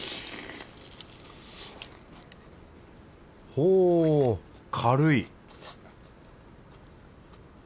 ほう軽い